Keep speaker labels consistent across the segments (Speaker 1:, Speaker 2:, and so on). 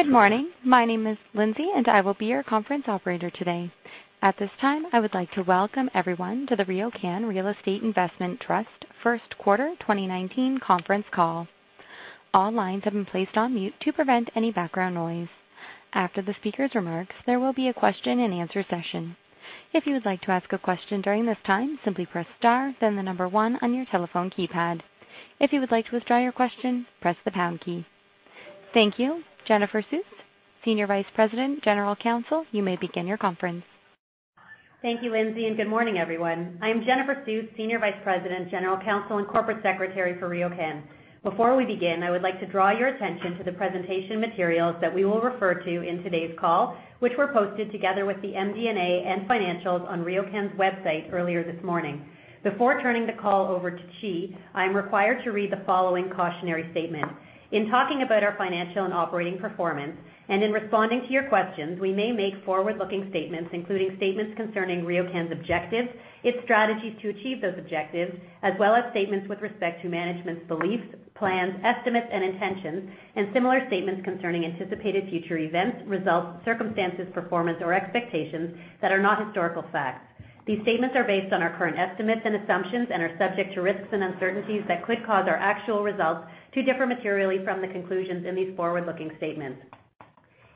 Speaker 1: Okay, tell Lady.
Speaker 2: Good morning. My name is Lindsay, and I will be your conference operator today. At this time, I would like to welcome everyone to the RioCan Real Estate Investment Trust first quarter 2019 conference call. All lines have been placed on mute to prevent any background noise. After the speaker's remarks, there will be a question and answer session. If you would like to ask a question during this time, simply press star, then the number one on your telephone keypad. If you would like to withdraw your question, press the pound key. Thank you. Jennifer Suess, Senior Vice President, General Counsel, you may begin your conference.
Speaker 3: Thank you, Lindsay, and good morning, everyone. I am Jennifer Suess, Senior Vice President, General Counsel, and Corporate Secretary for RioCan. Before we begin, I would like to draw your attention to the presentation materials that we will refer to in today's call, which were posted together with the MD&A and financials on RioCan's website earlier this morning. Before turning the call over to Qi, I am required to read the following cautionary statement. In talking about our financial and operating performance, and in responding to your questions, we may make forward-looking statements, including statements concerning RioCan's objectives, its strategies to achieve those objectives, as well as statements with respect to management's beliefs, plans, estimates, and intentions, and similar statements concerning anticipated future events, results, circumstances, performance, or expectations that are not historical facts. These statements are based on our current estimates and assumptions and are subject to risks and uncertainties that could cause our actual results to differ materially from the conclusions in these forward-looking statements.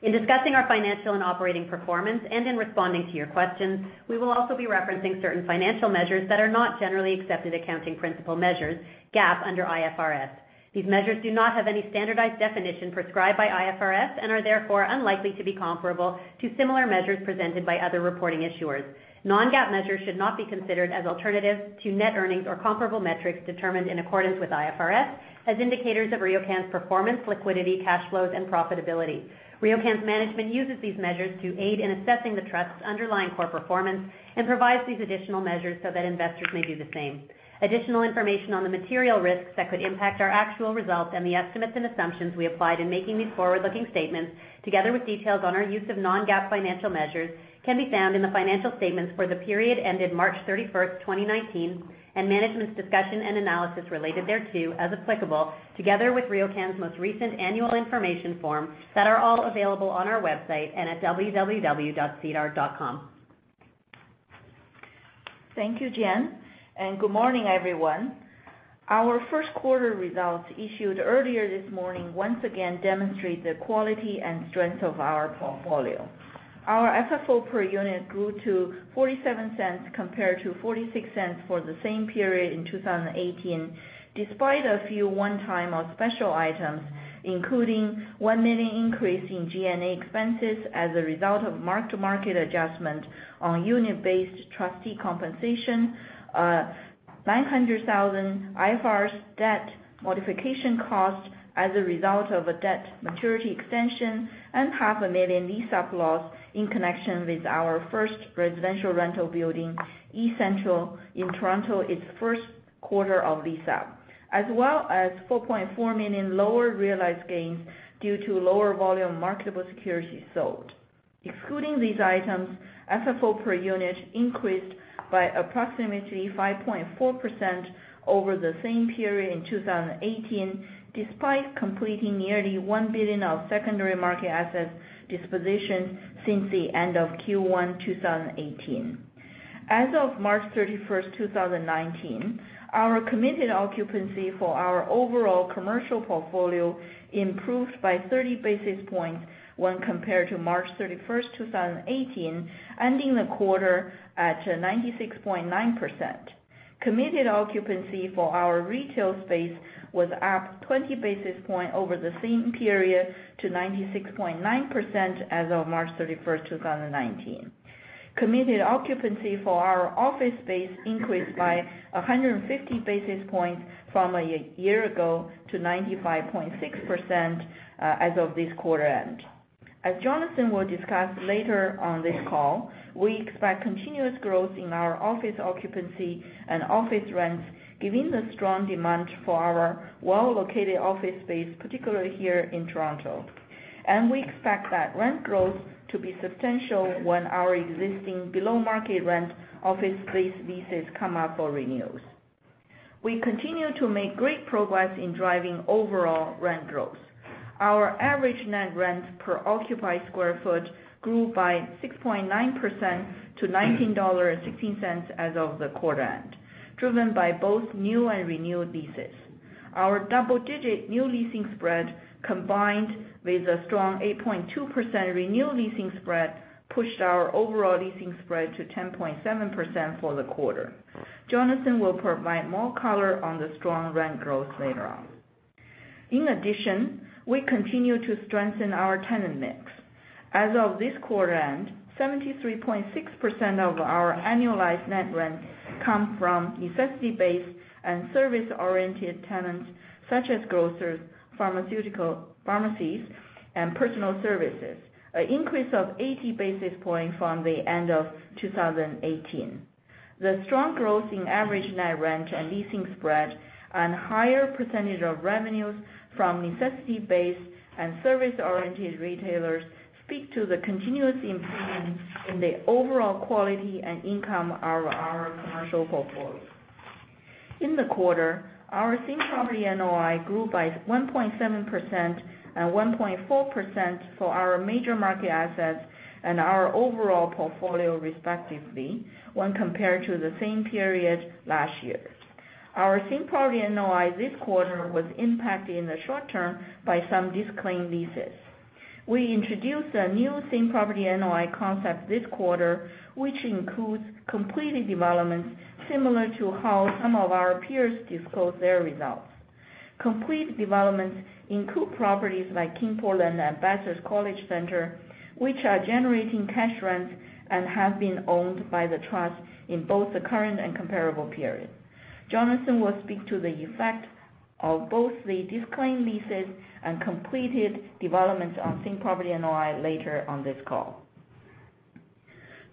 Speaker 3: In discussing our financial and operating performance and in responding to your questions, we will also be referencing certain financial measures that are not generally accepted accounting principle measures, GAAP under IFRS. These measures do not have any standardized definition prescribed by IFRS and are therefore unlikely to be comparable to similar measures presented by other reporting issuers. Non-GAAP measures should not be considered as alternatives to net earnings or comparable metrics determined in accordance with IFRS as indicators of RioCan's performance, liquidity, cash flows, and profitability. RioCan's management uses these measures to aid in assessing the trust's underlying core performance and provides these additional measures so that investors may do the same. Additional information on the material risks that could impact our actual results and the estimates and assumptions we applied in making these forward-looking statements, together with details on our use of non-GAAP financial measures, can be found in the financial statements for the period ended March 31st, 2019, and management's discussion and analysis related thereto as applicable, together with RioCan's most recent annual information form that are all available on our website and at www.sedar.com.
Speaker 4: Thank you, Jen, and good morning, everyone. Our first quarter results issued earlier this morning once again demonstrate the quality and strength of our portfolio. Our FFO per unit grew to 0.47 compared to 0.46 for the same period in 2018, despite a few one-time or special items, including 1 million increase in G&A expenses as a result of mark-to-market adjustment on unit-based trustee compensation, 900,000 IFRS debt modification cost as a result of a debt maturity extension, and half a million lease-up loss in connection with our first residential rental building, eCentral in Toronto, its first quarter of lease-up. As well as 4.4 million in lower realized gains due to lower volume marketable securities sold. Excluding these items, FFO per unit increased by approximately 5.4% over the same period in 2018, despite completing nearly 1 billion of secondary market assets disposition since the end of Q1 2018. As of March 31st, 2019, our committed occupancy for our overall commercial portfolio improved by 30 basis points when compared to March 31st, 2018, ending the quarter at 96.9%. Committed occupancy for our retail space was up 20 basis point over the same period to 96.9% as of March 31st, 2019. Committed occupancy for our office space increased by 150 basis points from a year ago to 95.6% as of this quarter end. As Jonathan will discuss later on this call, we expect continuous growth in our office occupancy and office rents given the strong demand for our well-located office space, particularly here in Toronto. We expect that rent growth to be substantial when our existing below-market rent office space leases come up for renewals. We continue to make great progress in driving overall rent growth. Our average net rent per occupied square foot grew by 6.9% to 19.16 dollars as of the quarter end, driven by both new and renewed leases. Our double-digit new leasing spread, combined with a strong 8.2% renewal leasing spread, pushed our overall leasing spread to 10.7% for the quarter. Jonathan will provide more color on the strong rent growth later on. In addition, we continue to strengthen our tenant mix. As of this quarter end, 73.6% of our annualized net rent comes from necessity-based and service-oriented tenants such as grocers, pharmaceutical pharmacies, and personal services, an increase of 80 basis points from the end of 2018. The strong growth in average net rent and leasing spread. Higher percentage of revenues from necessity-based and service-oriented retailers speak to the continuous improvement in the overall quality and income of our commercial portfolio. In the quarter, our same property NOI grew by 1.7% and 1.4% for our major market assets and our overall portfolio respectively, when compared to the same period last year. Our same property NOI this quarter was impacted in the short term by some disclaimed leases. We introduced a new same property NOI concept this quarter, which includes completed developments, similar to how some of our peers disclose their results. Complete developments include properties like King Portland and Bathurst College Centre, which are generating cash rents and have been owned by the trust in both the current and comparable period. Jonathan will speak to the effect of both the disclaimed leases and completed developments on same property NOI later on this call.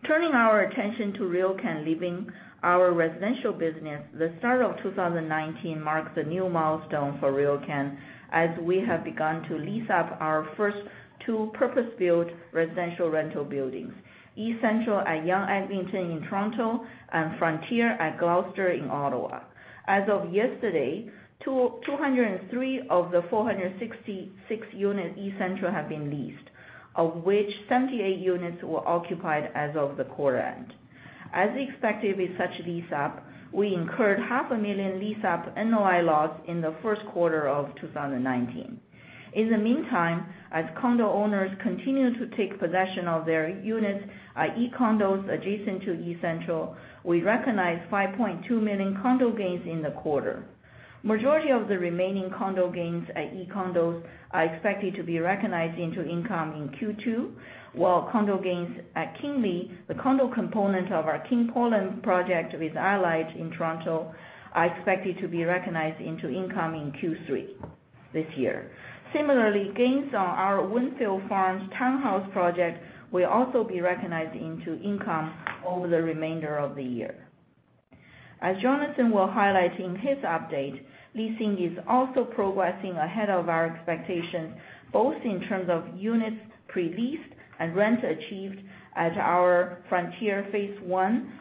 Speaker 4: Turning our attention to RioCan Living, our residential business, the start of 2019 marks a new milestone for RioCan, as we have begun to lease up our first two purpose-built residential rental buildings, eCentral at Yonge and Eglinton in Toronto and Frontier at Gloucester in Ottawa. As of yesterday, 203 of the 466 units eCentral have been leased, of which 78 units were occupied as of the quarter end. As expected with such lease up, we incurred half a million lease-up NOI loss in the first quarter of 2019. In the meantime, as condo owners continue to take possession of their units at E Condos adjacent to eCentral, we recognized 5.2 million condo gains in the quarter. Majority of the remaining condo gains at E Condos are expected to be recognized into income in Q2, while condo gains at Kingly, the condo component of our King Portland project with Allied in Toronto, are expected to be recognized into income in Q3 this year. Similarly, gains on our Windfields townhouse project will also be recognized into income over the remainder of the year. As Jonathan will highlight in his update, leasing is also progressing ahead of our expectations, both in terms of units pre-leased and rent achieved at our Frontier phase one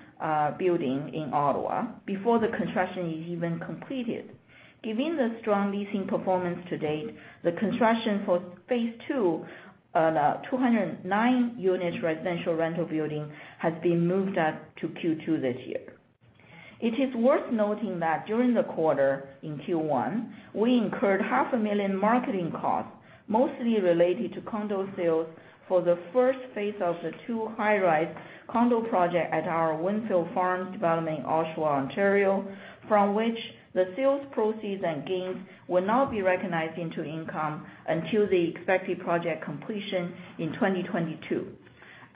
Speaker 4: building in Ottawa before the construction is even completed. Given the strong leasing performance to date, the construction for phase two, the 209 units residential rental building, has been moved up to Q2 this year. It is worth noting that during the quarter in Q1, we incurred half a million marketing costs, mostly related to condo sales for the first phase of the two high-rise condo project at our Windfields development in Oshawa, Ontario, from which the sales proceeds and gains will now be recognized into income until the expected project completion in 2022.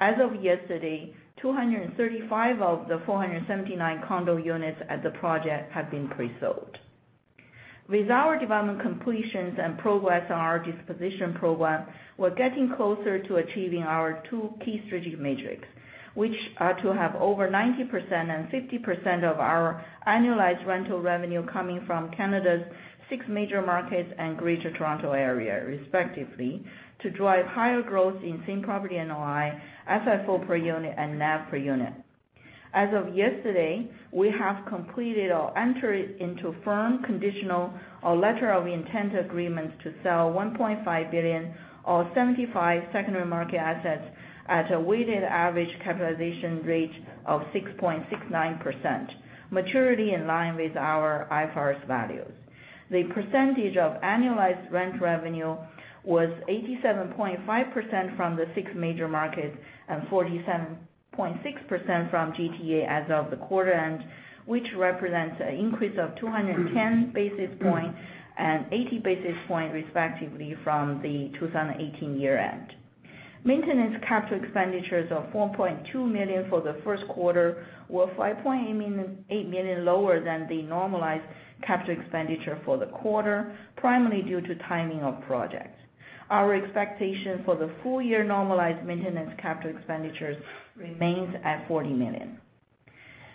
Speaker 4: As of yesterday, 235 of the 479 condo units at the project have been pre-sold. With our development completions and progress on our disposition program, we're getting closer to achieving our two key strategic metrics, which are to have over 90% and 50% of our annualized rental revenue coming from Canada's six major markets and Greater Toronto Area respectively, to drive higher growth in same property NOI, FFO per unit, and NAV per unit. As of yesterday, we have completed or entered into firm conditional or letter of intent agreements to sell 1.5 billion or 75 secondary market assets at a weighted average capitalization rate of 6.69%, maturity in line with our IFRS values. The percentage of annualized rent revenue was 87.5% from the six major markets and 47.6% from GTA as of the quarter end, which represents an increase of 210 basis points and 80 basis points respectively from the 2018 year-end. Maintenance capital expenditures of 4.2 million for the first quarter were 5.8 million lower than the normalized capital expenditure for the quarter, primarily due to timing of projects. Our expectation for the full-year normalized maintenance capital expenditures remains at 40 million.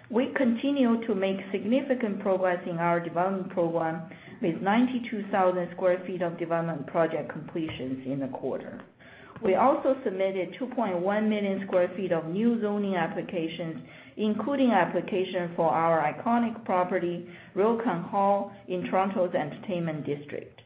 Speaker 4: We continue to make significant progress in our development program with 92,000 sq ft of development project completions in the quarter. We also submitted 2.1 million sq ft of new zoning applications, including application for our iconic property, RioCan Hall, in Toronto's Entertainment District.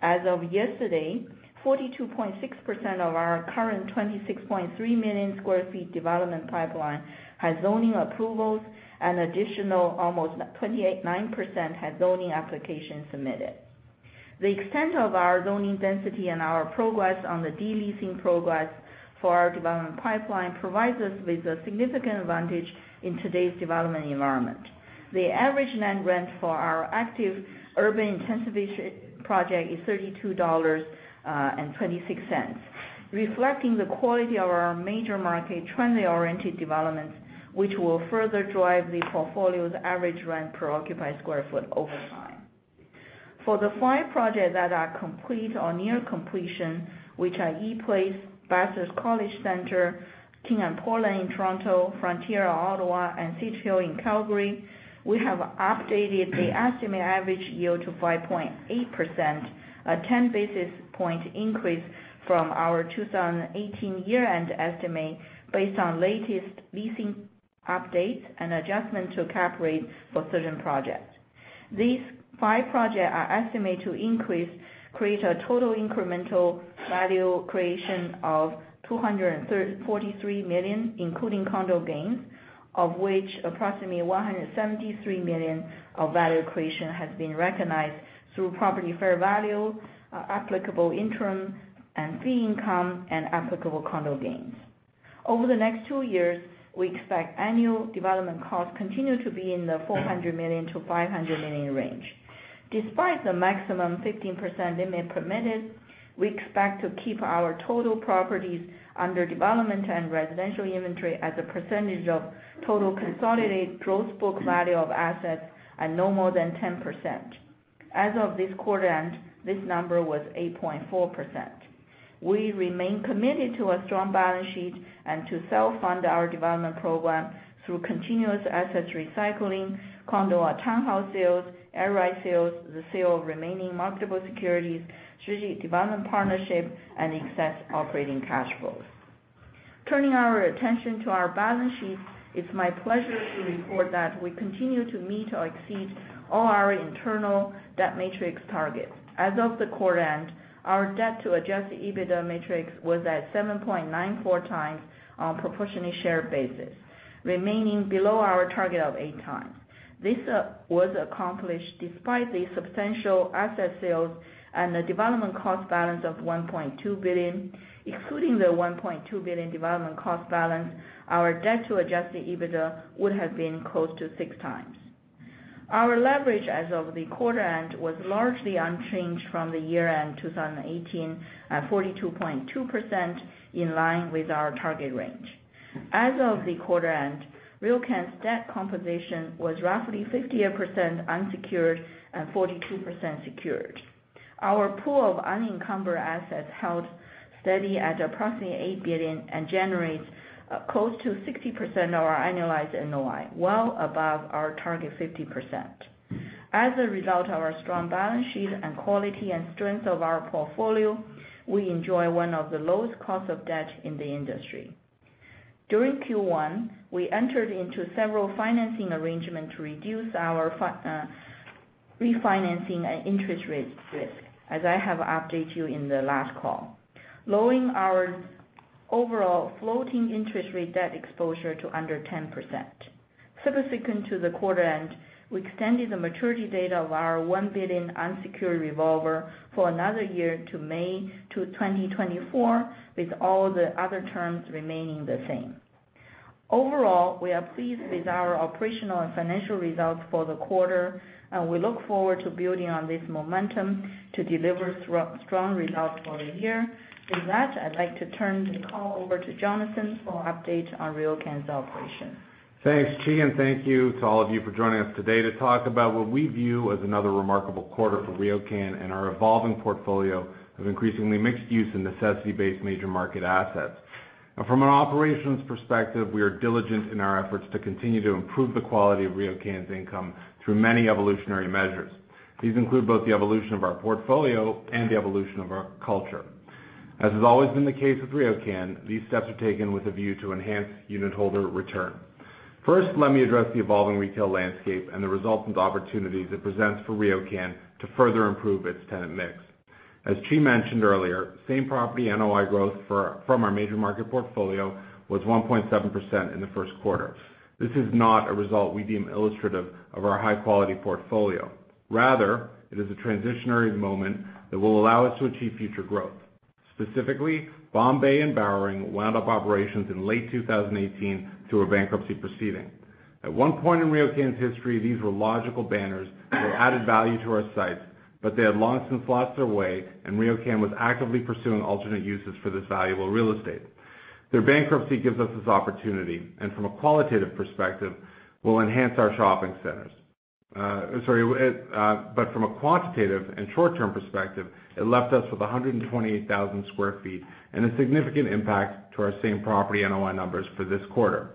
Speaker 4: As of yesterday, 42.6% of our current 26.3 million sq ft development pipeline has zoning approvals and additional almost 29% has zoning applications submitted. The extent of our zoning density and our progress on the de-leasing progress for our development pipeline provides us with a significant advantage in today's development environment. The average land rent for our active urban intensification project is 32.26 dollars, reflecting the quality of our major market trend-oriented developments, which will further drive the portfolio's average rent per occupied sq ft over time. For the five projects that are complete or near completion, which are ePlace, Bathurst College Centre, King & Portland in Toronto, Frontier Ottawa, and Sage-Hill in Calgary, we have updated the estimated average yield to 5.8%, a 10 basis point increase from our 2018 year-end estimate based on latest leasing updates and adjustment to cap rates for certain projects. These five projects are estimated to increase, create a total incremental value creation of 243 million, including condo gains, of which approximately 173 million of value creation has been recognized through property fair value, applicable interim and fee income, and applicable condo gains. Over the next two years, we expect annual development costs continue to be in the 400 million-500 million range. Despite the maximum 15% limit permitted, we expect to keep our total properties under development and residential inventory as a percentage of total consolidated gross book value of assets at no more than 10%. As of this quarter end, this number was 8.4%. We remain committed to a strong balance sheet and to self-fund our development program through continuous asset recycling, condo or townhouse sales, air rights sales, the sale of remaining marketable securities, strategic development partnership, and excess operating cash flows. Turning our attention to our balance sheet, it's my pleasure to report that we continue to meet or exceed all our internal debt matrix targets. As of the quarter end, our debt to adjusted EBITDA metric was at 7.94 times on a proportionally share basis, remaining below our target of 8 times. This was accomplished despite the substantial asset sales and the development cost balance of 1.2 billion, excluding the 1.2 billion development cost balance, our debt to adjusted EBITDA would have been close to 6 times. Our leverage as of the quarter end was largely unchanged from the year-end 2018 at 42.2%, in line with our target range. As of the quarter end, RioCan's debt composition was roughly 58% unsecured and 42% secured. Our pool of unencumbered assets held steady at approximately 8 billion and generates close to 60% of our annualized NOI, well above our target 50%. As a result of our strong balance sheet and quality and strength of our portfolio, we enjoy one of the lowest costs of debt in the industry. During Q1, we entered into several financing arrangements to reduce our refinancing and interest rate risk, as I have updated you in the last call. Lowering our overall floating interest rate debt exposure to under 10%. Subsequent to the quarter end, we extended the maturity date of our 1 billion unsecured revolver for another year to May 2024, with all the other terms remaining the same. Overall, we are pleased with our operational and financial results for the quarter, and we look forward to building on this momentum to deliver strong results for the year. With that, I'd like to turn the call over to Jonathan for update on RioCan's operation.
Speaker 5: Thanks, Qi, and thank you to all of you for joining us today to talk about what we view as another remarkable quarter for RioCan and our evolving portfolio of increasingly mixed use and necessity-based major market assets. From an operations perspective, we are diligent in our efforts to continue to improve the quality of RioCan's income through many evolutionary measures. These include both the evolution of our portfolio and the evolution of our culture. As has always been the case with RioCan, these steps are taken with a view to enhance unitholder return. First, let me address the evolving retail landscape and the resultant opportunities it presents for RioCan to further improve its tenant mix. As Qi mentioned earlier, same property NOI growth from our major market portfolio was 1.7% in the first quarter. This is not a result we deem illustrative of our high-quality portfolio. Rather, it is a transitionary moment that will allow us to achieve future growth. Specifically, Bombay and Bowring wound up operations in late 2018 through a bankruptcy proceeding. At one point in RioCan's history, these were logical banners that added value to our sites, but they had long since lost their way, and RioCan was actively pursuing alternate uses for this valuable real estate. Their bankruptcy gives us this opportunity, and from a qualitative perspective, will enhance our shopping centers. Sorry. But from a quantitative and short-term perspective, it left us with 128,000 sq ft and a significant impact to our same property NOI numbers for this quarter.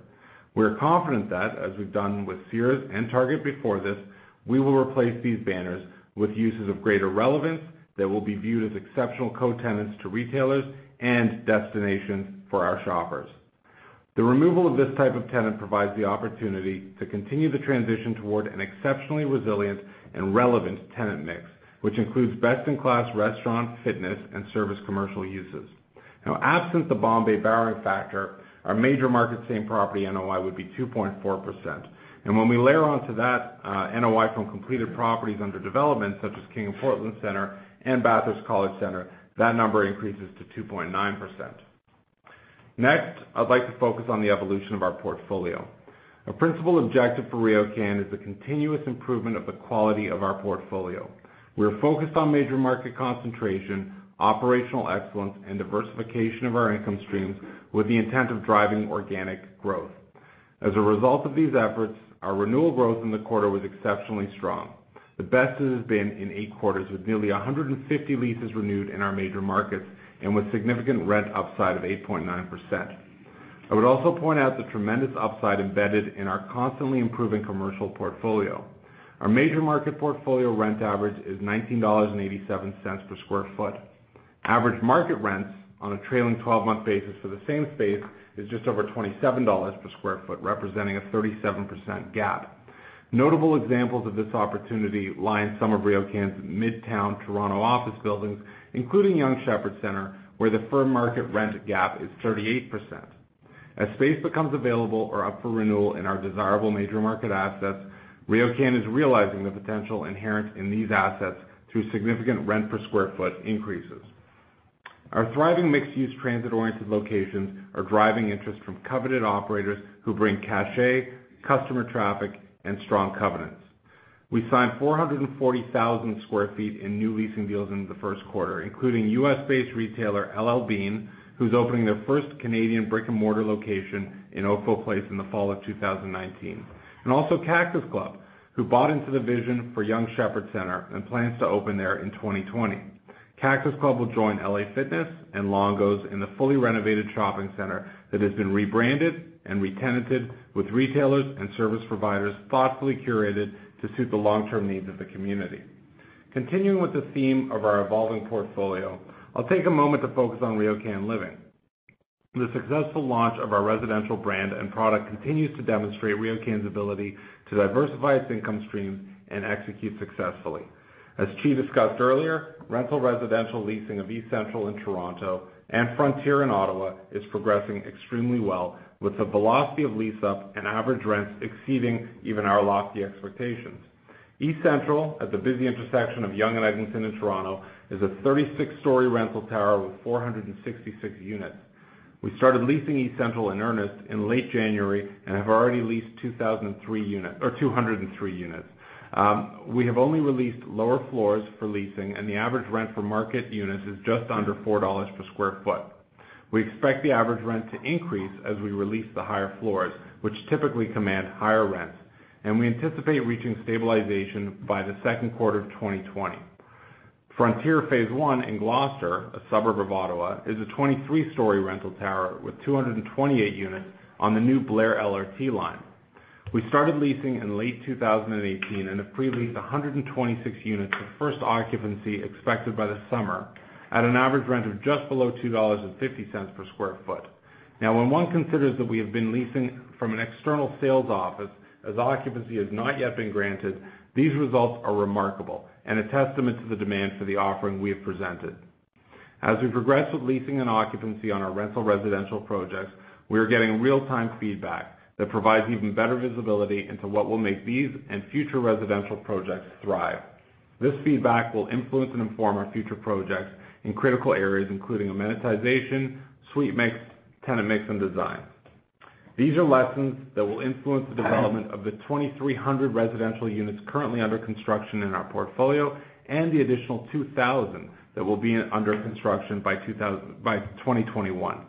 Speaker 5: We're confident that, as we've done with Sears and Target before this, we will replace these banners with uses of greater relevance that will be viewed as exceptional co-tenants to retailers and destinations for our shoppers. The removal of this type of tenant provides the opportunity to continue the transition toward an exceptionally resilient and relevant tenant mix, which includes best-in-class restaurant, fitness, and service commercial uses. Absent the Bombay Bowring factor, our major market same property NOI would be 2.4%. When we layer on to that NOI from completed properties under development, such as King & Portland Center and Bathurst College Centre, that number increases to 2.9%. Next, I'd like to focus on the evolution of our portfolio. A principal objective for RioCan is the continuous improvement of the quality of our portfolio. We are focused on major market concentration, operational excellence, and diversification of our income streams with the intent of driving organic growth. As a result of these efforts, our renewal growth in the quarter was exceptionally strong. The best it has been in 8 quarters, with nearly 150 leases renewed in our major markets and with significant rent upside of 8.9%. I would also point out the tremendous upside embedded in our constantly improving commercial portfolio. Our major market portfolio rent average is 19.87 dollars per square foot. Average market rents on a trailing 12-month basis for the same space is just over 27 dollars per square foot, representing a 37% gap. Notable examples of this opportunity lie in some of RioCan's midtown Toronto office buildings, including Yonge Sheppard Centre, where the firm market rent gap is 38%. As space becomes available or up for renewal in our desirable major market assets, RioCan is realizing the potential inherent in these assets through significant rent per square foot increases. Our thriving mixed-use transit-oriented locations are driving interest from coveted operators who bring cachet, customer traffic, and strong covenants. We signed 440,000 square feet in new leasing deals in the first quarter, including U.S.-based retailer L.L.Bean, who's opening their first Canadian brick-and-mortar location in Oakville Place in the fall of 2019. Also Cactus Club, who bought into the vision for Yonge Sheppard Centre and plans to open there in 2020. Cactus Club will join LA Fitness and Longo's in the fully renovated shopping center that has been rebranded and re-tenanted with retailers and service providers thoughtfully curated to suit the long-term needs of the community. Continuing with the theme of our evolving portfolio, I'll take a moment to focus on RioCan Living. The successful launch of our residential brand and product continues to demonstrate RioCan's ability to diversify its income streams and execute successfully. As Qi discussed earlier, rental residential leasing of eCentral in Toronto and Frontier in Ottawa is progressing extremely well, with the velocity of lease-up and average rents exceeding even our lofty expectations. eCentral, at the busy intersection of Yonge and Eglinton in Toronto, is a 36-story rental tower with 466 units. We started leasing eCentral in earnest in late January and have already leased 203 units. We have only released lower floors for leasing, and the average rent for market units is just under 4 dollars per square foot. We expect the average rent to increase as we release the higher floors, which typically command higher rents, and we anticipate reaching stabilization by the second quarter of 2020. Frontier Phase 1 in Gloucester, a suburb of Ottawa, is a 23-story rental tower with 228 units on the new Blair LRT line. We started leasing in late 2018 and have pre-leased 126 units, with first occupancy expected by the summer at an average rent of just below 2.50 dollars per square foot. When one considers that we have been leasing from an external sales office, as occupancy has not yet been granted, these results are remarkable and a testament to the demand for the offering we have presented. As we progress with leasing and occupancy on our rental residential projects, we are getting real-time feedback that provides even better visibility into what will make these and future residential projects thrive. This feedback will influence and inform our future projects in critical areas including amenitization, suite mix, tenant mix, and design. These are lessons that will influence the development of the 2,300 residential units currently under construction in our portfolio and the additional 2,000 that will be under construction by 2021.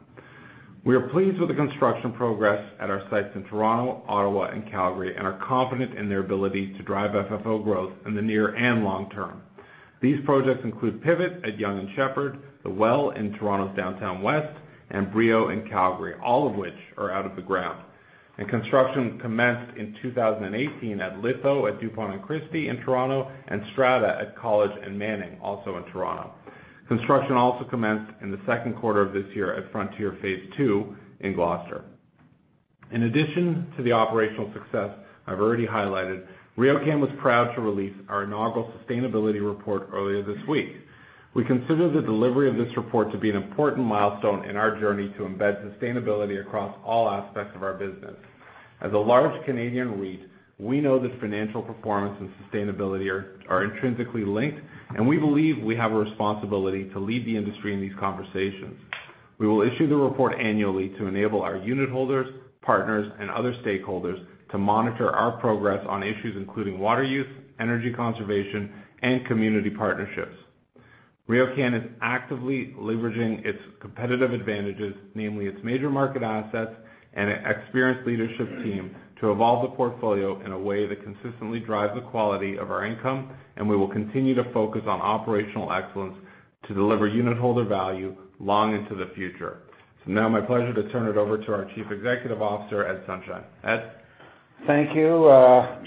Speaker 5: We are pleased with the construction progress at our sites in Toronto, Ottawa and Calgary and are confident in their ability to drive FFO growth in the near and long term. These projects include Pivot at Yonge and Sheppard, The Well in Toronto's Downtown West, and Brio in Calgary, all of which are out of the ground. Construction commenced in 2018 at Litho at Dupont and Christie in Toronto and Strata at College and Manning, also in Toronto. Construction also commenced in the second quarter of this year at Frontier Phase 2 in Gloucester. In addition to the operational success I've already highlighted, RioCan was proud to release our inaugural sustainability report earlier this week. We consider the delivery of this report to be an important milestone in our journey to embed sustainability across all aspects of our business. As a large Canadian REIT, we know that financial performance and sustainability are intrinsically linked, and we believe we have a responsibility to lead the industry in these conversations. We will issue the report annually to enable our unit holders, partners, and other stakeholders to monitor our progress on issues including water use, energy conservation, and community partnerships. RioCan is actively leveraging its competitive advantages, namely its major market assets and an experienced leadership team, to evolve the portfolio in a way that consistently drives the quality of our income, and we will continue to focus on operational excellence to deliver unit holder value long into the future. It's now my pleasure to turn it over to our Chief Executive Officer, Ed Sonshine. Ed?
Speaker 1: Thank you,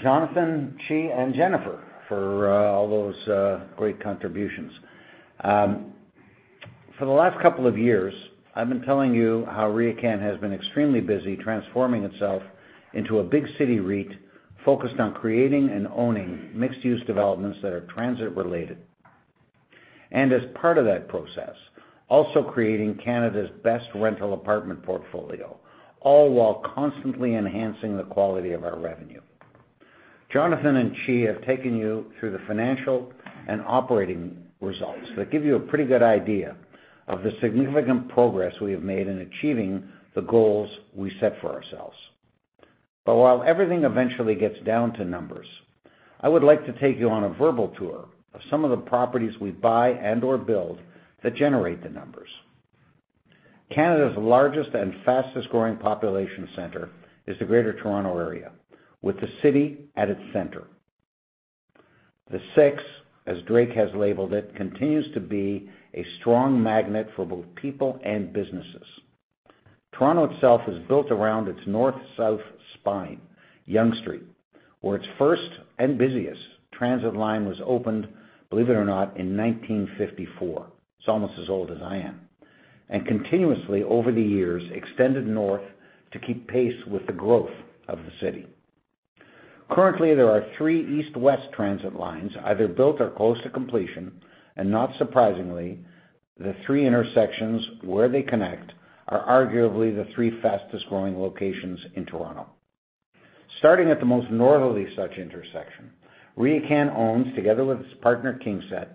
Speaker 1: Jonathan, Qi, and Jennifer, for all those great contributions. For the last couple of years, I've been telling you how RioCan has been extremely busy transforming itself into a big city REIT focused on creating and owning mixed-use developments that are transit-related. As part of that process, also creating Canada's best rental apartment portfolio, all while constantly enhancing the quality of our revenue. Jonathan and Qi have taken you through the financial and operating results that give you a pretty good idea of the significant progress we have made in achieving the goals we set for ourselves. While everything eventually gets down to numbers. I would like to take you on a verbal tour of some of the properties we buy and or build that generate the numbers. Canada's largest and fastest-growing population center is the Greater Toronto Area, with the city at its center. The 6, as Drake has labeled it, continues to be a strong magnet for both people and businesses. Toronto itself is built around its north-south spine, Yonge Street, where its first and busiest transit line was opened, believe it or not, in 1954. It's almost as old as I am. Continuously over the years, extended north to keep pace with the growth of the city. Currently, there are three east-west transit lines, either built or close to completion. Not surprisingly, the three intersections where they connect are arguably the three fastest-growing locations in Toronto. Starting at the most northerly such intersection, RioCan owns, together with its partner KingSett,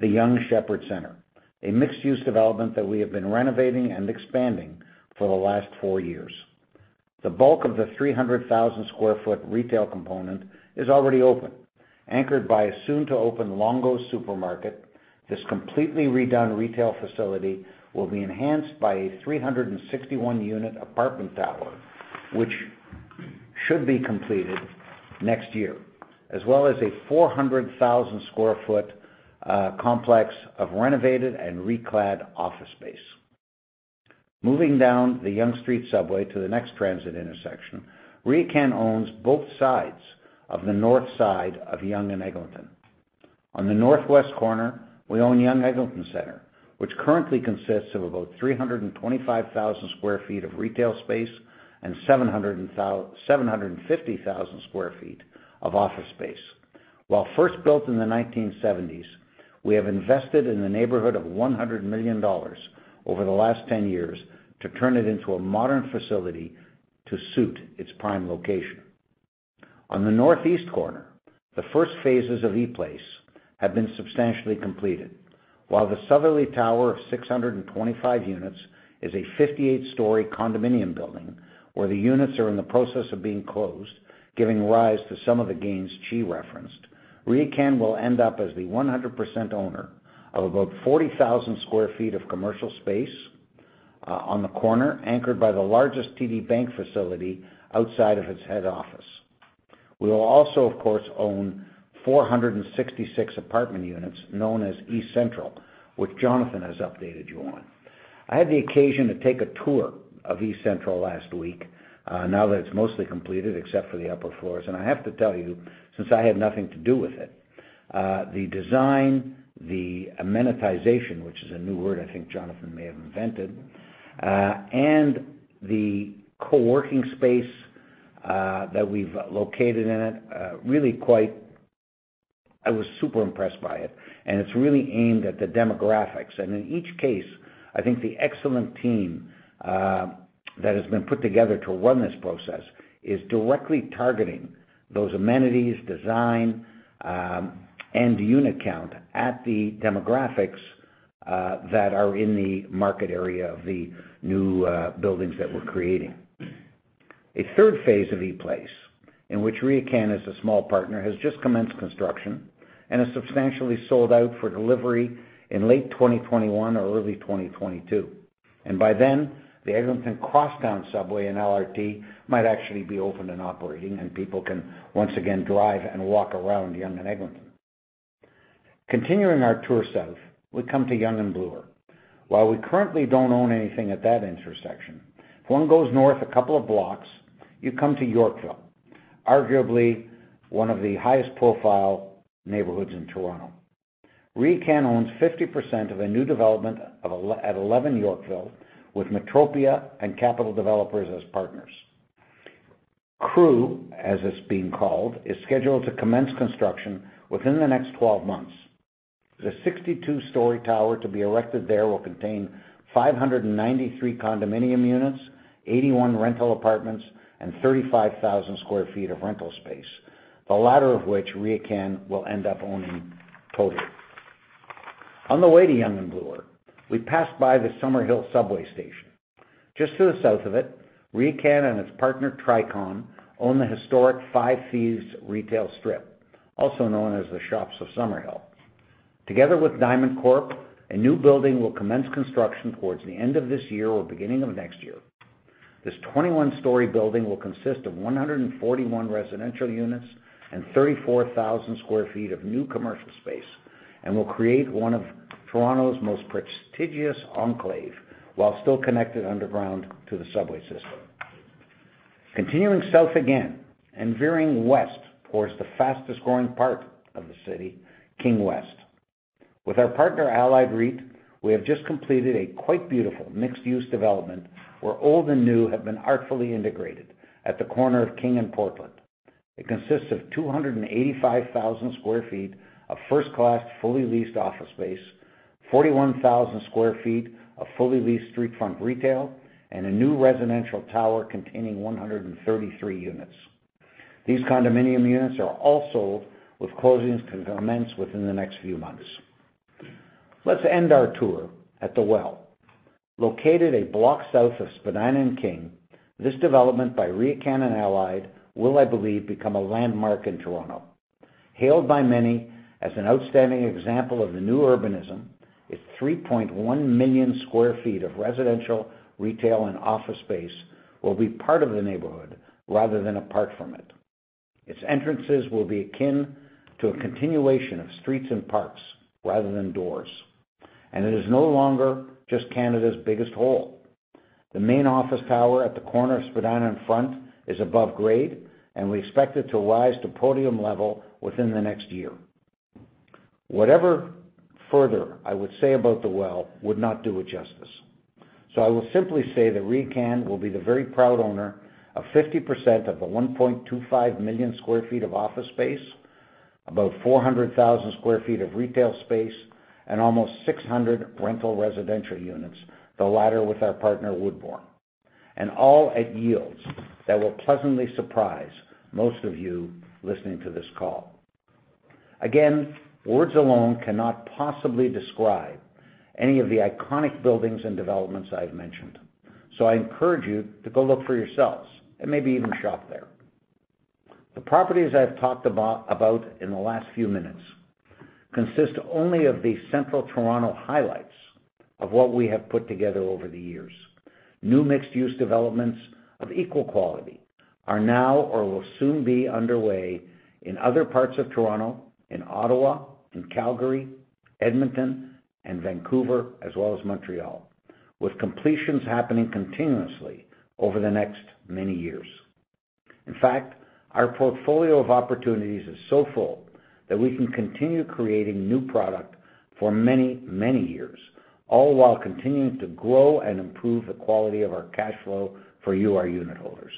Speaker 1: the Yonge Sheppard Centre, a mixed-use development that we have been renovating and expanding for the last four years. The bulk of the 300,000 sq ft retail component is already open. Anchored by a soon-to-open Longo's supermarket, this completely redone retail facility will be enhanced by a 361-unit apartment tower, which should be completed next year, as well as a 400,000 sq ft complex of renovated and reclad office space. Moving down the Yonge Street subway to the next transit intersection, RioCan owns both sides of the north side of Yonge and Eglinton. On the northwest corner, we own Yonge Eglinton Centre, which currently consists of about 325,000 sq ft of retail space and 750,000 sq ft of office space. While first built in the 1970s, we have invested in the neighborhood of 100 million dollars over the last 10 years to turn it into a modern facility to suit its prime location. On the northeast corner, the first phases of E Place have been substantially completed. While the southerly tower of 625 units is a 58-story condominium building where the units are in the process of being closed, giving rise to some of the gains Qi referenced, RioCan will end up as the 100% owner of about 40,000 sq ft of commercial space on the corner, anchored by the largest TD Bank facility outside of its head office. We will also, of course, own 466 apartment units known as eCentral, which Jonathan has updated you on. I had the occasion to take a tour of eCentral last week, now that it's mostly completed except for the upper floors. I have to tell you, since I had nothing to do with it, the design, the amenitization, which is a new word I think Jonathan may have invented, and the co-working space that we've located in it, I was super impressed by it. It's really aimed at the demographics. In each case, I think the excellent team that has been put together to run this process is directly targeting those amenities, design, and the unit count at the demographics that are in the market area of the new buildings that we're creating. A third phase of E Place, in which RioCan is a small partner, has just commenced construction and is substantially sold out for delivery in late 2021 or early 2022. By then, the Eglinton Crosstown subway and LRT might actually be open and operating, and people can once again drive and walk around Yonge and Eglinton. Continuing our tour south, we come to Yonge and Bloor. While we currently don't own anything at that intersection, if one goes north a couple of blocks, you come to Yorkville, arguably one of the highest profile neighborhoods in Toronto. RioCan owns 50% of a new development at 11 Yorkville with Metropia and Capital Developments as partners. CREW, as it's being called, is scheduled to commence construction within the next 12 months. The 62-story tower to be erected there will contain 593 condominium units, 81 rental apartments, and 35,000 sq ft of rental space, the latter of which RioCan will end up owning totally. On the way to Yonge and Bloor, we pass by the Summerhill subway station. Just to the south of it, RioCan and its partner Tricon own the historic Five Thieves retail strip, also known as the Shops of Summerhill. Together with DiamondCorp, a new building will commence construction towards the end of this year or beginning of next year. This 21-story building will consist of 141 residential units and 34,000 sq ft of new commercial space, and will create one of Toronto's most prestigious enclaves, while still connected underground to the subway system. Continuing south again and veering west towards the fastest-growing part of the city, King West. With our partner Allied REIT, we have just completed a quite beautiful mixed-use development where old and new have been artfully integrated at the corner of King and Portland. It consists of 285,000 sq ft of first-class, fully leased office space, 41,000 sq ft of fully leased street front retail, and a new residential tower containing 133 units. These condominium units are all sold with closings to commence within the next few months. Let's end our tour at The Well. Located a block south of Spadina and King, this development by RioCan and Allied will, I believe, become a landmark in Toronto. Hailed by many as an outstanding example of the new urbanism, its 3.1 million sq ft of residential, retail, and office space will be part of the neighborhood rather than apart from it. Its entrances will be akin to a continuation of streets and parks rather than doors, and it is no longer just Canada's biggest hole. The main office tower at the corner of Spadina and Front is above grade, and we expect it to rise to podium level within the next year. Whatever further I would say about The Well would not do it justice. I will simply say that RioCan will be the very proud owner of 50% of the 1.25 million sq ft of office space, about 400,000 sq ft of retail space, and almost 600 rental residential units, the latter with our partner Woodbourne. All at yields that will pleasantly surprise most of you listening to this call. Again, words alone cannot possibly describe any of the iconic buildings and developments I've mentioned. I encourage you to go look for yourselves and maybe even shop there. The properties I've talked about in the last few minutes consist only of the central Toronto highlights of what we have put together over the years. New mixed-use developments of equal quality are now or will soon be underway in other parts of Toronto, in Ottawa, in Calgary, Edmonton, and Vancouver, as well as Montreal, with completions happening continuously over the next many years. In fact, our portfolio of opportunities is so full that we can continue creating new product for many, many years, all while continuing to grow and improve the quality of our cash flow for you, our unitholders.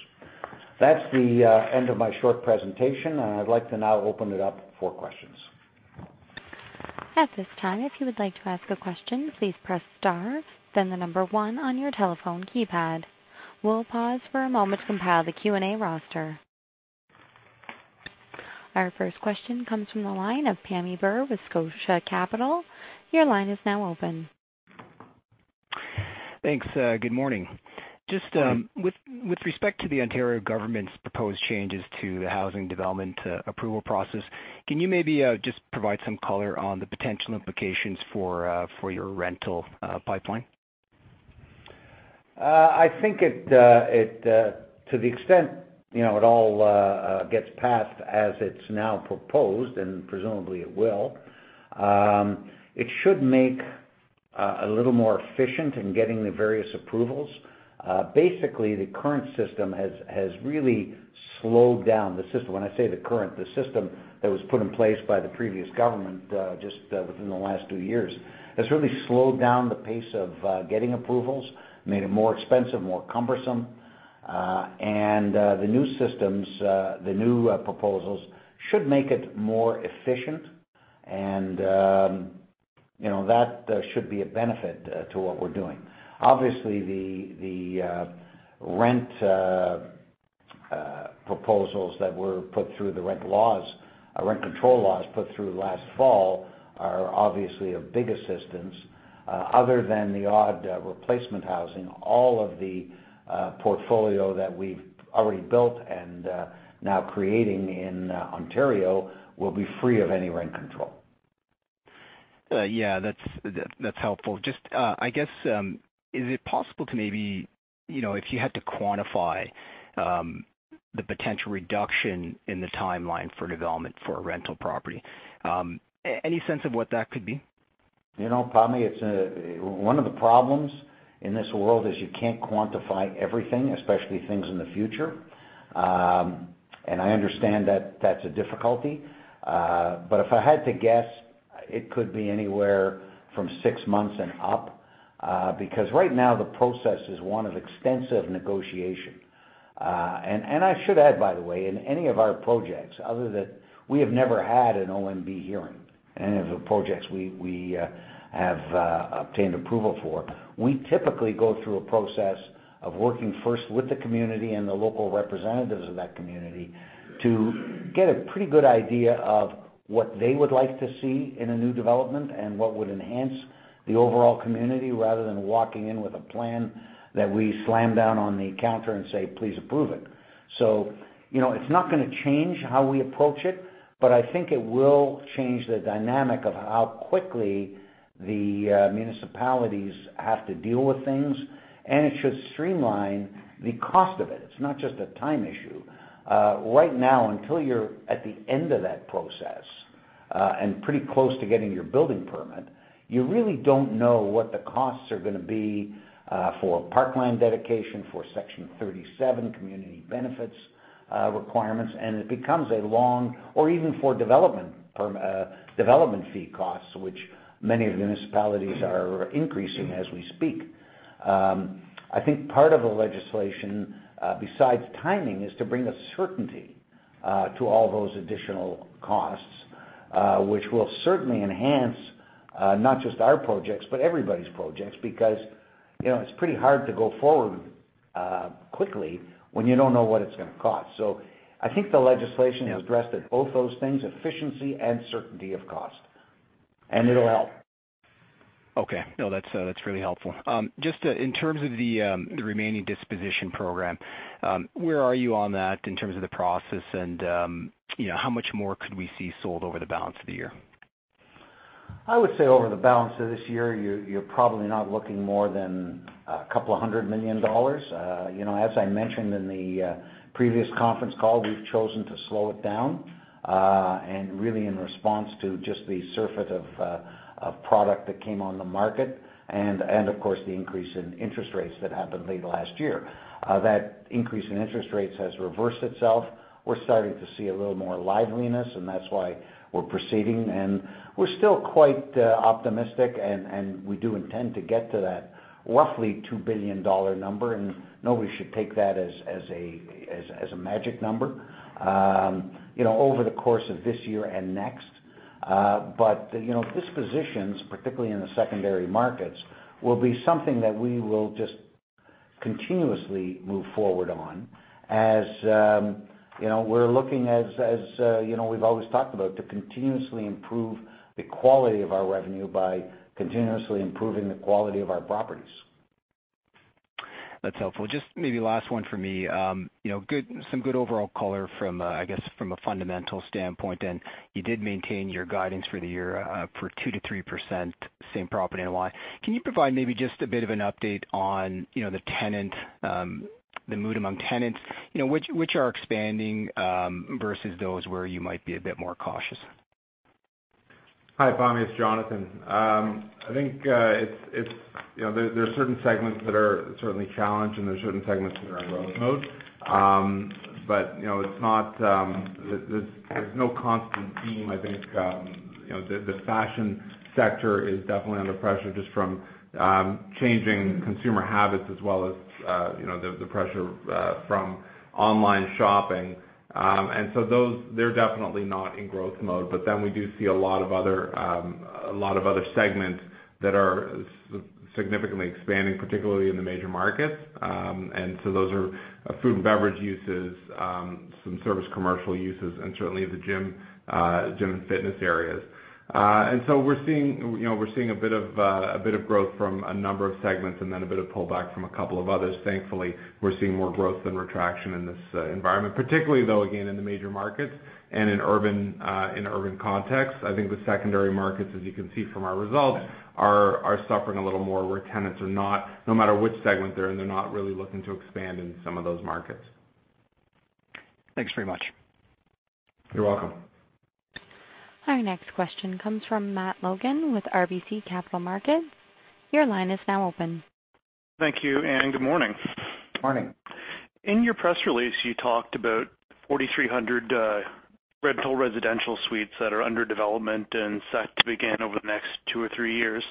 Speaker 1: That's the end of my short presentation. I'd like to now open it up for questions.
Speaker 2: At this time, if you would like to ask a question, please press star, then the number 1 on your telephone keypad. We'll pause for a moment to compile the Q&A roster. Our first question comes from the line of Pammi Bir with Scotia Capital. Your line is now open.
Speaker 6: Thanks. Good morning. With respect to the Ontario government's proposed changes to the housing development approval process, can you maybe just provide some color on the potential implications for your rental pipeline?
Speaker 1: I think to the extent it all gets passed as it's now proposed, presumably it will, it should make a little more efficient in getting the various approvals. The current system has really slowed down the system. The system that was put in place by the previous government, just within the last two years, has really slowed down the pace of getting approvals, made it more expensive, more cumbersome. The new systems, the new proposals should make it more efficient and that should be a benefit to what we're doing. Obviously, the rent proposals that were put through the rent laws, rent control laws put through last fall are obviously a big assistance. Other than the odd replacement housing, all of the portfolio that we've already built and now creating in Ontario will be free of any rent control.
Speaker 6: Yeah. That's helpful. I guess, is it possible to maybe, if you had to quantify the potential reduction in the timeline for development for a rental property. Any sense of what that could be?
Speaker 1: Pammi, one of the problems in this world is you can't quantify everything, especially things in the future. I understand that's a difficulty. If I had to guess, it could be anywhere from six months and up. Right now, the process is one of extensive negotiation. I should add, by the way, in any of our projects, other than we have never had an OMB hearing. Any of the projects we have obtained approval for, we typically go through a process of working first with the community and the local representatives of that community to get a pretty good idea of what they would like to see in a new development and what would enhance the overall community, rather than walking in with a plan that we slam down on the counter and say, "Please approve it." It's not going to change how we approach it, but I think it will change the dynamic of how quickly the municipalities have to deal with things, and it should streamline the cost of it. It's not just a time issue. Right now, until you're at the end of that process, and pretty close to getting your building permit, you really don't know what the costs are going to be for parkland dedication, for Section 37 community benefits requirements, or even for development fee costs, which many of the municipalities are increasing as we speak. I think part of the legislation, besides timing, is to bring a certainty to all those additional costs, which will certainly enhance not just our projects, but everybody's projects, because it's pretty hard to go quickly when you don't know what it's going to cost. I think the legislation has addressed both those things, efficiency and certainty of cost, and it'll help.
Speaker 6: Okay. No, that's really helpful. Just in terms of the remaining disposition program, where are you on that in terms of the process, and how much more could we see sold over the balance of the year?
Speaker 1: I would say over the balance of this year, you're probably not looking more than 200 million dollars. As I mentioned in the previous conference call, we've chosen to slow it down, and really in response to just the surfeit of product that came on the market, and of course, the increase in interest rates that happened late last year. That increase in interest rates has reversed itself. We're starting to see a little more liveliness, and that's why we're proceeding. We're still quite optimistic, and we do intend to get to that roughly 2 billion dollar number, and nobody should take that as a magic number, over the course of this year and next. Dispositions, particularly in the secondary markets, will be something that we will just continuously move forward on. As we're looking, as we've always talked about, to continuously improve the quality of our revenue by continuously improving the quality of our properties.
Speaker 6: That's helpful. Just maybe last one from me. Some good overall color from, I guess, from a fundamental standpoint then. You did maintain your guidance for the year, for 2%-3% same property NOI. Can you provide maybe just a bit of an update on the mood among tenants? Which are expanding, versus those where you might be a bit more cautious?
Speaker 5: Hi, Pammi, it's Jonathan. I think there's certain segments that are certainly challenged, there's certain segments that are in growth mode. There's no constant theme, I think. The fashion sector is definitely under pressure just from changing consumer habits as well as the pressure from online shopping. Those, they're definitely not in growth mode, we do see a lot of other segments that are significantly expanding, particularly in the major markets. Those are food and beverage uses, some service commercial uses, and certainly the gym and fitness areas. We're seeing a bit of growth from a number of segments a bit of pullback from a couple of others. Thankfully, we're seeing more growth than retraction in this environment, particularly, though, again, in the major markets and in urban contexts. I think the secondary markets, as you can see from our results, are suffering a little more where tenants are not, no matter which segment they're in, they're not really looking to expand in some of those markets.
Speaker 6: Thanks very much.
Speaker 5: You're welcome.
Speaker 2: Our next question comes from Matt Kornack with RBC Capital Markets. Your line is now open.
Speaker 7: Thank you. Good morning.
Speaker 1: Morning.
Speaker 7: In your press release, you talked about 4,300 retail residential suites that are under development and set to begin over the next two or three years.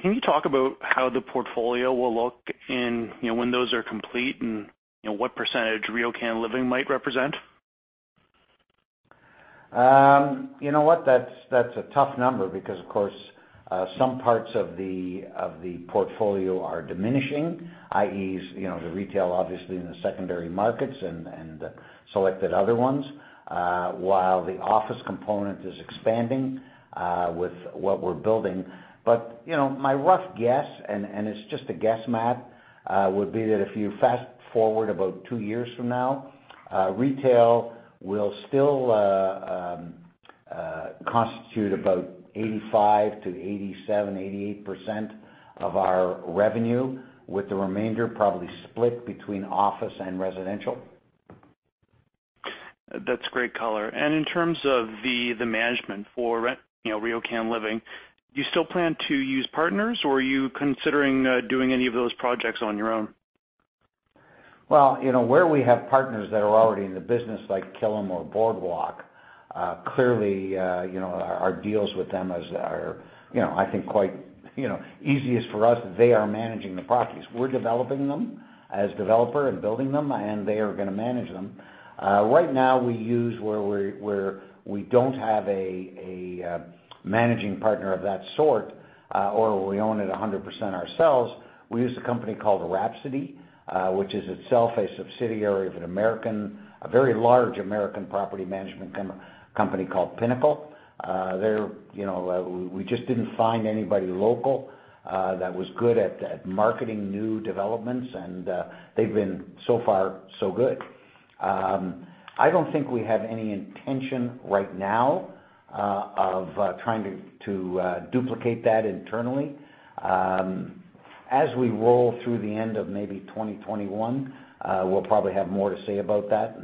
Speaker 7: Can you talk about how the portfolio will look when those are complete and what percentage RioCan Living might represent?
Speaker 1: You know what? That's a tough number because, of course, some parts of the portfolio are diminishing, i.e., the retail, obviously, in the secondary markets and selected other ones, while the office component is expanding, with what we're building. My rough guess, and it's just a guess, Matt, would be that if you fast-forward about two years from now, retail will still constitute about 85% to 87%, 88% of our revenue, with the remainder probably split between office and residential.
Speaker 7: That's great color. In terms of the management for RioCan Living, do you still plan to use partners, or are you considering doing any of those projects on your own?
Speaker 1: Well, where we have partners that are already in the business, like Killam or Boardwalk, clearly, our deals with them are, I think quite easiest for us. They are managing the properties. We're developing them as developer and building them, and they are going to manage them. Right now we use, where we don't have a managing partner of that sort, or we own it 100% ourselves, we use a company called Rhapsody, which is itself a subsidiary of a very large American property management company called Pinnacle. We just didn't find anybody local that was good at marketing new developments and, they've been so far, so good. I don't think we have any intention right now of trying to duplicate that internally. As we roll through the end of maybe 2021, we'll probably have more to say about that.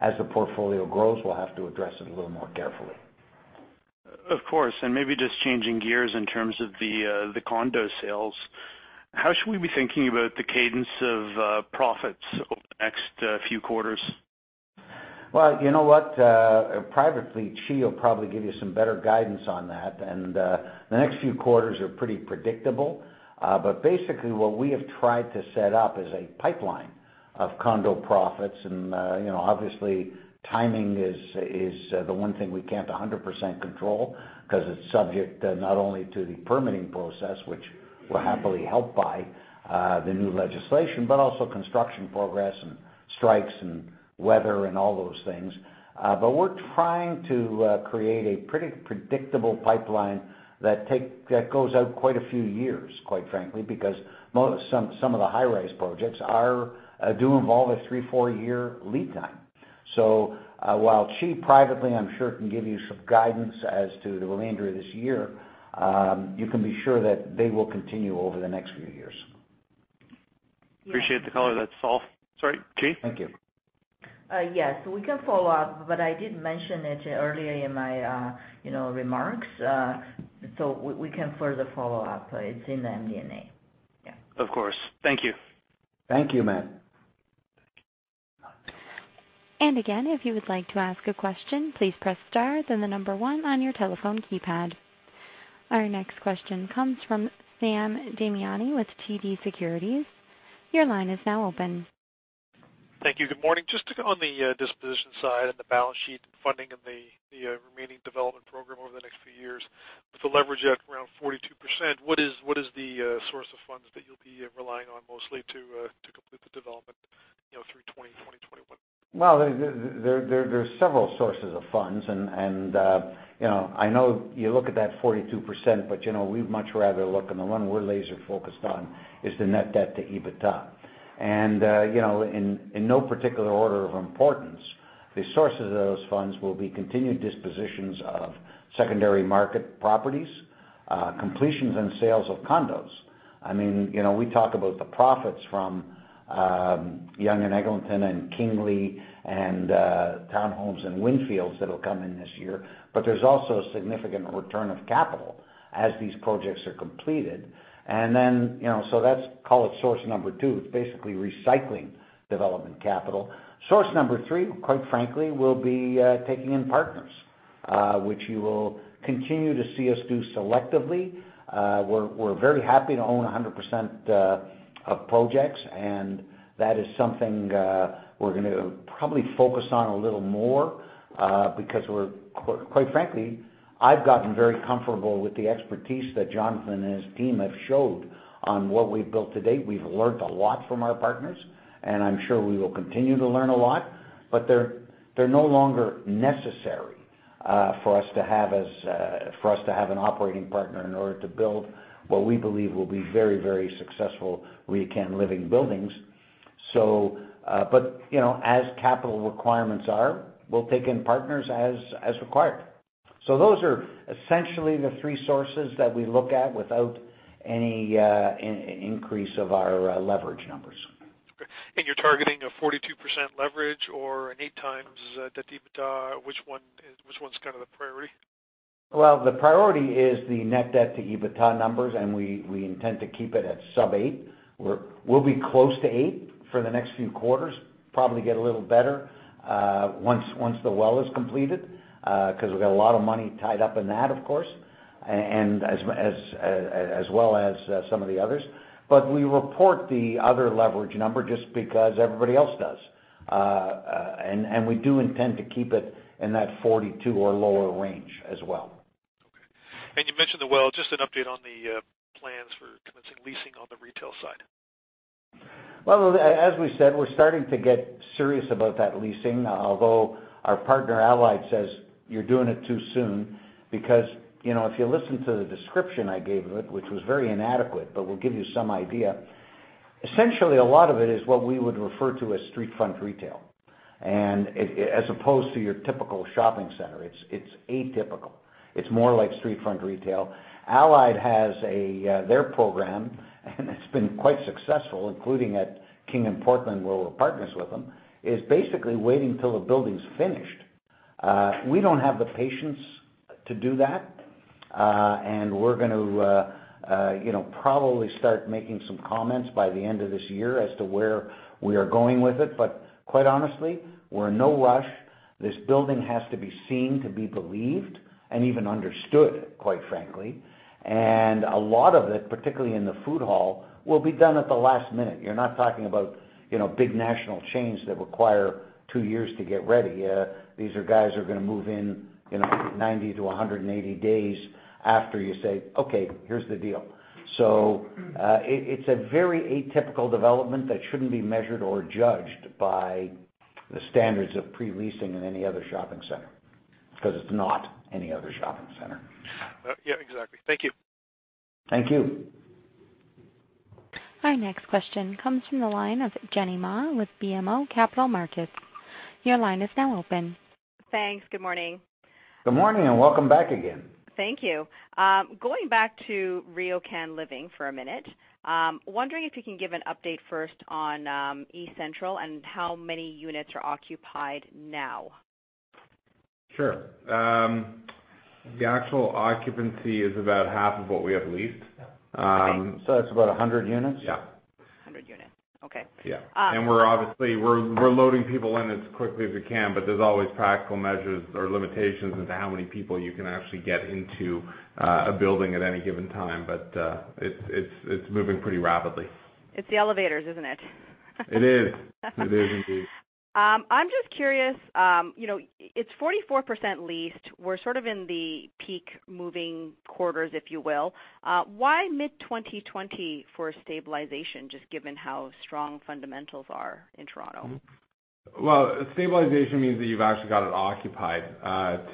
Speaker 1: As the portfolio grows, we'll have to address it a little more carefully.
Speaker 7: Of course, maybe just changing gears in terms of the condo sales. How should we be thinking about the cadence of profits over the next few quarters?
Speaker 1: Well, you know what? Privately, Qi will probably give you some better guidance on that, the next few quarters are pretty predictable. Basically, what we have tried to set up is a pipeline of condo profits. Obviously, timing is the one thing we can't 100% control, because it's subject not only to the permitting process, which we're happily helped by the new legislation, but also construction progress and strikes and weather and all those things. We're trying to create a pretty predictable pipeline that goes out quite a few years, quite frankly, because some of the high-rise projects do involve a three, four-year lead time. While Qi privately, I'm sure can give you some guidance as to the remainder of this year. You can be sure that they will continue over the next few years.
Speaker 7: Appreciate the color. That's all. Sorry, Qi?
Speaker 1: Thank you.
Speaker 4: Yes. We can follow up, but I did mention it earlier in my remarks. We can further follow up. It's in the MD&A. Yeah.
Speaker 7: Of course. Thank you.
Speaker 1: Thank you, Matt.
Speaker 2: Again, if you would like to ask a question, please press star, then the number one on your telephone keypad. Our next question comes from Sam Damiani with TD Securities. Your line is now open.
Speaker 8: Thank you. Good morning. Just on the disposition side and the balance sheet funding and the remaining development program over the next few years. With the leverage at around 42%, what is the source of funds that you'll be relying on mostly to complete the development, through 2020, 2021?
Speaker 1: Well, there's several sources of funds. I know you look at that 42%, we'd much rather look, the one we're laser-focused on is the net debt to EBITDA. In no particular order of importance, the sources of those funds will be continued dispositions of secondary market properties, completions and sales of condos. We talk about the profits from Yonge and Eglinton and Kingly and townhomes in Windfields that'll come in this year, there's also a significant return of capital as these projects are completed. Let's call it source number 2. It's basically recycling development capital. Source number 3, quite frankly, will be taking in partners, which you will continue to see us do selectively. We're very happy to own 100% of projects. That is something we're going to probably focus on a little more, because quite frankly, I've gotten very comfortable with the expertise that Jonathan and his team have showed on what we've built to date. We've learned a lot from our partners. I'm sure we will continue to learn a lot. They're no longer necessary for us to have an operating partner in order to build what we believe will be very successful RioCan Living buildings. As capital requirements are, we'll take in partners as required. Those are essentially the three sources that we look at without any increase of our leverage numbers.
Speaker 8: Okay. You're targeting a 42% leverage or an 8 times debt to EBITDA. Which one's kind of the priority?
Speaker 1: Well, the priority is the net debt to EBITDA numbers. We intend to keep it at sub eight. We will be close to eight for the next few quarters. Probably get a little better, once The Well is completed, because we have got a lot of money tied up in that, of course, and as well as some of the others. We report the other leverage number just because everybody else does. We do intend to keep it in that 42 or lower range as well.
Speaker 8: Okay. You mentioned The Well, just an update on the plans for commencing leasing on the retail side.
Speaker 1: Well, as we said, we are starting to get serious about that leasing. Although our partner Allied says, "You are doing it too soon." If you listen to the description I gave of it, which was very inadequate, but we will give you some idea. Essentially, a lot of it is what we would refer to as street front retail. As opposed to your typical shopping center. It is atypical. It is more like street front retail. Allied has their program, and it has been quite successful, including at King and Portland, where we are partners with them. Is basically waiting till the building is finished. We do not have the patience to do that. We are going to probably start making some comments by the end of this year as to where we are going with it. Quite honestly, we are in no rush. This building has to be seen to be believed and even understood, quite frankly. A lot of it, particularly in the food hall, will be done at the last minute. You are not talking about big national chains that require two years to get ready. These are guys who are going to move in, 90 to 180 days after you say, "Okay, here is the deal." It is a very atypical development that should not be measured or judged by the standards of pre-leasing in any other shopping center because it is not any other shopping center.
Speaker 8: Yeah, exactly. Thank you.
Speaker 1: Thank you.
Speaker 2: Our next question comes from the line of Jenny Ma with BMO Capital Markets. Your line is now open.
Speaker 9: Thanks. Good morning.
Speaker 1: Good morning, welcome back again.
Speaker 9: Thank you. Going back to RioCan Living for a minute. Wondering if you can give an update first on eCentral and how many units are occupied now.
Speaker 5: Sure. The actual occupancy is about half of what we have leased.
Speaker 1: That's about 100 units.
Speaker 5: Yeah.
Speaker 9: 100 units. Okay.
Speaker 5: Yeah. We're obviously loading people in as quickly as we can, there's always practical measures or limitations into how many people you can actually get into a building at any given time. It's moving pretty rapidly.
Speaker 9: It's the elevators, isn't it?
Speaker 5: It is. It is indeed.
Speaker 9: I'm just curious, it's 44% leased. We're sort of in the peak moving quarters, if you will. Why mid-2020 for stabilization, just given how strong fundamentals are in Toronto?
Speaker 5: Well, stabilization means that you've actually got it occupied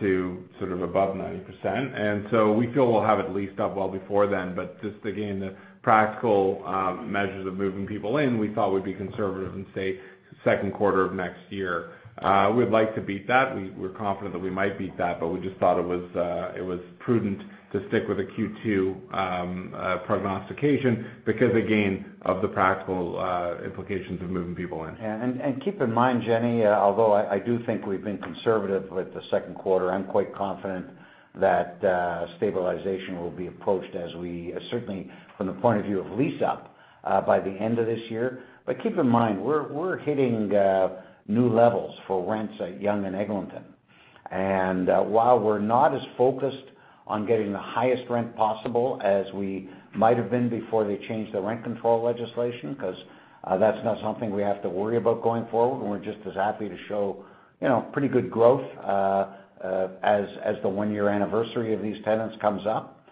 Speaker 5: to sort of above 90%. We feel we'll have it leased up well before then. Just again, the practical measures of moving people in, we thought we'd be conservative and say second quarter of next year. We'd like to beat that. We're confident that we might beat that, but we just thought it was prudent to stick with a Q2 prognostication because, again, of the practical implications of moving people in.
Speaker 1: Yeah. Keep in mind, Jenny, although I do think we've been conservative with the second quarter, I'm quite confident that stabilization will be approached, certainly from the point of view of lease up, by the end of this year. Keep in mind, we're hitting new levels for rents at Yonge and Eglinton. While we're not as focused on getting the highest rent possible as we might've been before they changed the rent control legislation, because that's not something we have to worry about going forward, and we're just as happy to show pretty good growth as the one-year anniversary of these tenants comes up.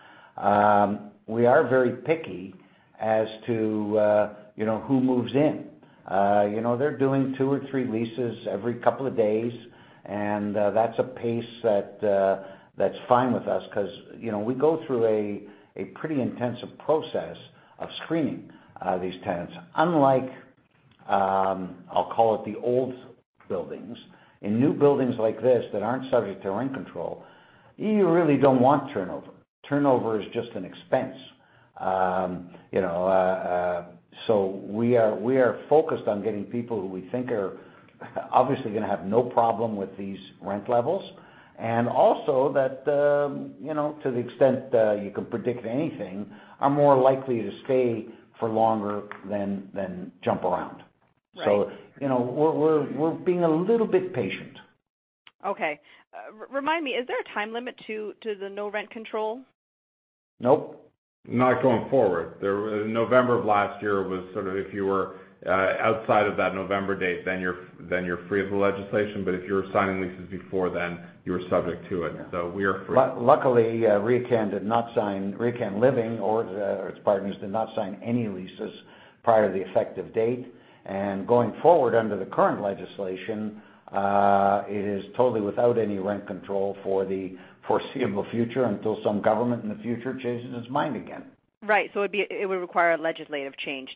Speaker 1: We are very picky as to who moves in. They're doing two or three leases every couple of days, and that's a pace that's fine with us because we go through a pretty intensive process of screening these tenants. Unlike, I'll call it the old buildings. In new buildings like this that aren't subject to rent control, you really don't want turnover. Turnover is just an expense. We are focused on getting people who we think are obviously going to have no problem with these rent levels. Also that, to the extent that you can predict anything, are more likely to stay for longer than jump around.
Speaker 9: Right.
Speaker 1: We're being a little bit patient.
Speaker 9: Okay. Remind me, is there a time limit to the no-rent control?
Speaker 1: Nope.
Speaker 5: Not going forward. November of last year was sort of if you were outside of that November date, then you're free of the legislation. If you're signing leases before then, you are subject to it. We are free.
Speaker 1: Luckily, RioCan Living, or its partners, did not sign any leases prior to the effective date. Going forward under the current legislation, it is totally without any rent control for the foreseeable future until some government in the future changes its mind again.
Speaker 9: Right. It would require a legislative change.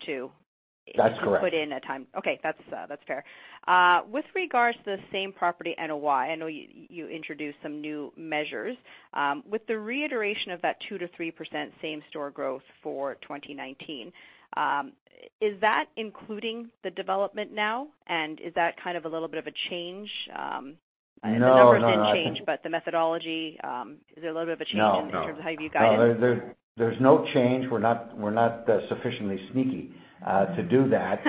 Speaker 1: That's correct.
Speaker 9: to put in a time. Okay, that's fair. With regards to the same property NOI, I know you introduced some new measures. With the reiteration of that 2%-3% same store growth for 2019, is that including the development now, and is that kind of a little bit of a change?
Speaker 1: No.
Speaker 9: The numbers didn't change, but the methodology.
Speaker 1: No.
Speaker 9: -in terms of how you've guided?
Speaker 1: No, there's no change. We're not sufficiently sneaky to do that.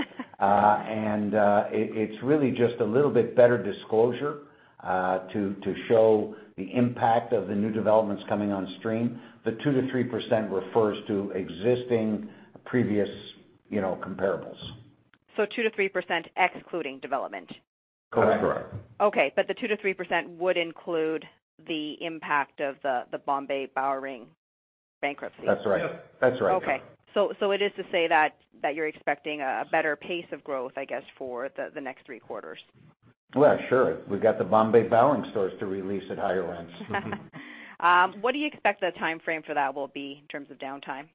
Speaker 1: It's really just a little bit better disclosure to show the impact of the new developments coming on stream. The 2%-3% refers to existing previous comparables.
Speaker 9: 2%-3% excluding development?
Speaker 5: Correct.
Speaker 1: That's correct.
Speaker 9: Okay. The 2%-3% would include the impact of the Bombay Bowring bankruptcy?
Speaker 1: That's right.
Speaker 5: Yep.
Speaker 1: That's right.
Speaker 9: Okay. It is to say that you're expecting a better pace of growth, I guess, for the next three quarters.
Speaker 1: Well, sure. We've got the Bombay & Co. and Bowring stores to release at higher rents.
Speaker 9: What do you expect the timeframe for that will be in terms of downtime?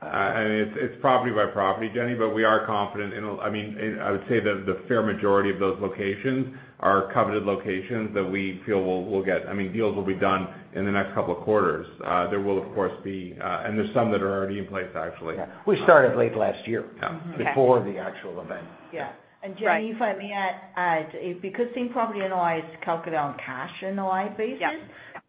Speaker 5: It's property by property, Jenny. We are confident. I would say that the fair majority of those locations are coveted locations that we feel deals will be done in the next couple of quarters. There's some that are already in place, actually.
Speaker 1: Yeah. We started late last year.
Speaker 5: Yeah.
Speaker 9: Okay.
Speaker 1: Before the actual event.
Speaker 5: Yeah.
Speaker 4: Right. Jenny, if I may add, because same property NOI is calculated on cash NOI basis.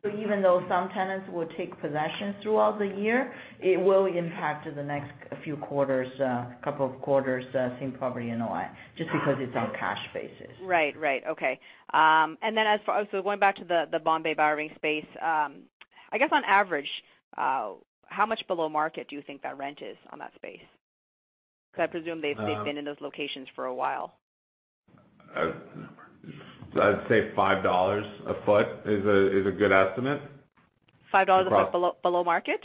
Speaker 9: Yep
Speaker 4: Even though some tenants will take possession throughout the year, it will impact the next few quarters, couple of quarters, same property NOI, just because it's on cash basis.
Speaker 9: Right. Okay. Going back to the Bombay Bowring space. I guess on average, how much below market do you think that rent is on that space? Because I presume they've been in those locations for a while.
Speaker 5: I'd say 5 dollars a foot is a good estimate.
Speaker 9: 5 dollars a foot below market?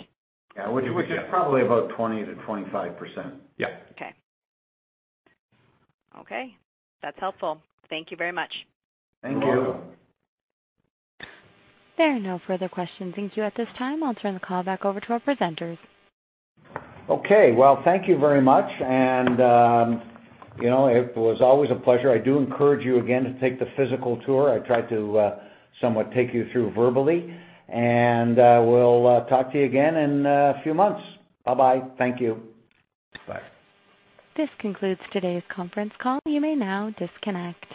Speaker 5: Yeah.
Speaker 1: Which is probably about 20%-25%.
Speaker 5: Yeah.
Speaker 9: Okay. Okay. That's helpful. Thank you very much.
Speaker 1: Thank you.
Speaker 5: You're welcome.
Speaker 2: There are no further questions. Thank you. At this time, I'll turn the call back over to our presenters.
Speaker 1: Okay. Well, thank you very much. It was always a pleasure. I do encourage you again to take the physical tour. I tried to somewhat take you through verbally, and we'll talk to you again in a few months. Bye-bye. Thank you.
Speaker 5: Bye.
Speaker 2: This concludes today's conference call. You may now disconnect.